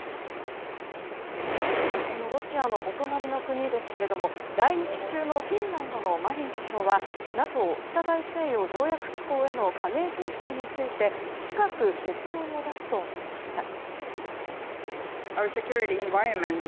このロシアのお隣の国ですけれども来日中のフィンランドのマリン首相はＮＡＴＯ・北大西洋条約機構への加盟申請について近く結論を出すと述べました。